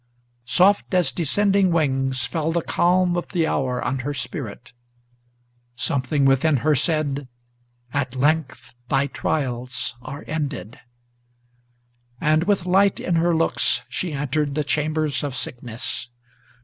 Soft as descending wings fell the calm of the hour on her spirit; Something within her said, "At length thy trials are ended"; And, with light in her looks, she entered the chambers of sickness.